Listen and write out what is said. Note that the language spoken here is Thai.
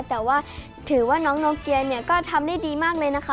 แต่ว่าถือว่าน้องโนเกียเนี่ยก็ทำได้ดีมากเลยนะคะ